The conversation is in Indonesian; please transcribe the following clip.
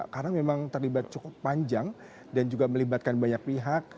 karena memang terlibat cukup panjang dan juga melibatkan banyak pihak